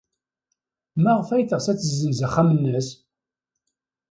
Maɣef ay teɣs ad tessenz axxam-nnes?